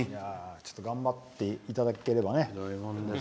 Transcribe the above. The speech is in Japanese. ちょっと頑張っていただければね。